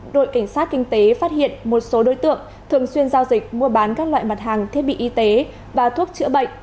đội cảnh sát kinh tế phát hiện một số đối tượng thường xuyên giao dịch mua bán các loại mặt hàng thiết bị y tế và thuốc chữa bệnh